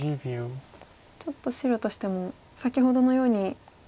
ちょっと白としても先ほどの図のようには。